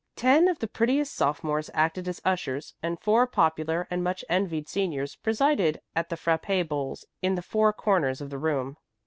Ten of the prettiest sophomores acted as ushers, and four popular and much envied seniors presided at the frappé bowls in the four corners of the room.